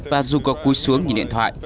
và dù có cúi xuống nhìn điện thoại